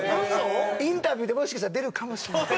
インタビューでもしかしたら出るかもしれない。